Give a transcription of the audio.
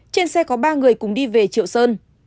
trên xe có ba người cùng đi về triệu sơn